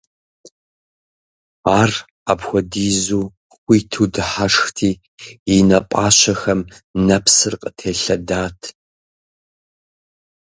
Ар апхуэдизу хуиту дыхьэшхти, и нэ пӀащэхэм нэпсыр къытелъэдат.